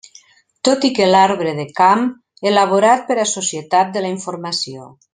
Tot i que l'arbre de camp elaborat per a Societat de la informació.